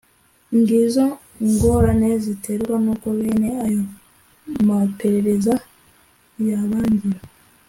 ngizo ngorane ziterwa n'uko bene ayo maperereza yabangira